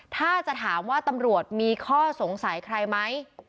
ถ้าจะถามว่าตำรวจมีข้อสงสัยใครไหม